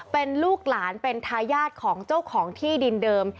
เป็นลูกหลานเป็นทายาทของเจ้าของที่ดินเดิม